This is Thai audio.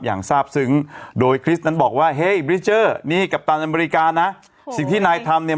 อย่างทราบซึ้งโดยนั้นบอกว่าเฮ้ยนี่กัปตันอเมริกาน่ะสิ่งที่นายทำเนี่ย